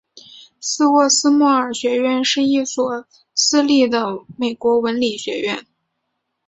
斯沃斯莫尔学院是一所私立的美国文理学院。